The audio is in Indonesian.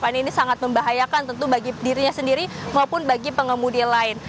karena ini sangat membahayakan tentu bagi dirinya sendiri maupun bagi pengemudi lain